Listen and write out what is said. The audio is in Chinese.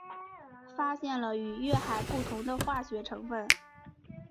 发现了与月海不同的化学成分。